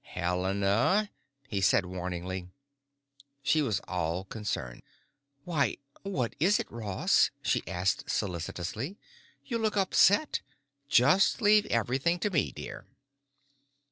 "Helena!" he said warningly. She was all concern. "Why, what is it, Ross?" she asked solicitously. "You look upset. Just leave everything to me, dear."